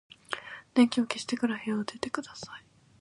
電気を消してから部屋を出てください。